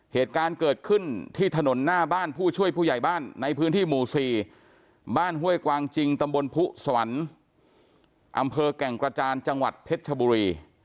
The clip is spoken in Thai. เหตุการณ์เกิดขึ้นที่ถนนหน้าบ้านผู้ช่วยผู้ใหญ่บ้านในพื้นที่หมู่๔บ้านห้วยกวางจริงตำบลผู้สวรรค์อำเภอแก่งกระจานจังหวัดเพชรชบุรี